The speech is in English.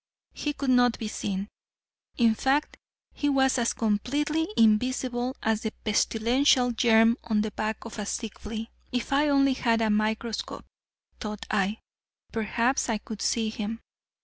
He could not be seen. In fact he was as completely invisible as the pestilential germ on the back of a sick flea. "If I only had a microscope," thought I, "perhaps I could see him."